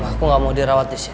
aku gak mau dirawat disini